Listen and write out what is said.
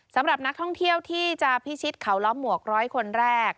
สำหรับนักท่องเที่ยวที่จะพิชิตเขาล้อหมวก๑๐๐คนแรก